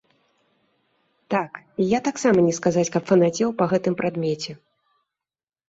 Так, і я таксама не сказаць, каб фанацеў па гэтым прадмеце.